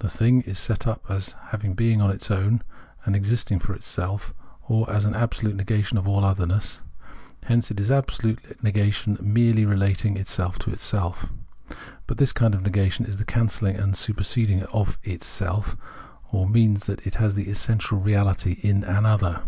The thing is set up as having a being of its own, as existing for itself, or as an absolute negation of all otherness ; hence it is absolute negation merely relating itself to itself. But this kind of negation is the cancelling and superseding of itself, or means that it has its essential reality in an other.